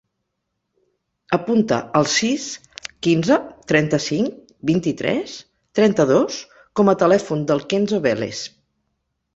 Apunta el sis, quinze, trenta-cinc, vint-i-tres, trenta-dos com a telèfon del Kenzo Belles.